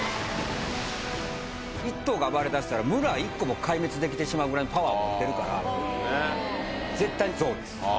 １頭が暴れだしたら村１個も壊滅できてしまうぐらいのパワーは持ってるから絶対にゾウですああ